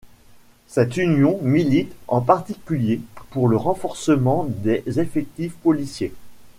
Cette union milite en particulier pour le renforcement des effectifs policiers.